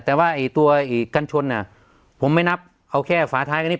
แต่ว่าไอ้ตัวกันชนอ่ะผมไม่นับเอาแค่ฝาท้ายกันนี้